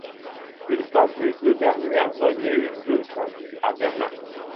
Il passe les deux dernières années de sa vie à Berlin.